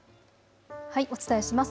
お伝えします。